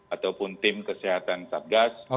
ataupun tim kesehatan tabgas